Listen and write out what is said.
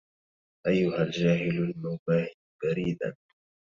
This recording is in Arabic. أيها الجاهل المباهي بريداً